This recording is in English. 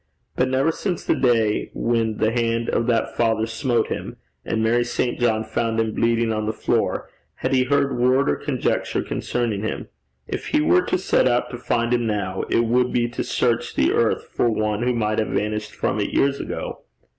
But never since the day when the hand of that father smote him, and Mary St. John found him bleeding on the floor, had he heard word or conjecture concerning him. If he were to set out to find him now, it would be to search the earth for one who might have vanished from it years ago.